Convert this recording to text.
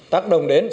tác động đến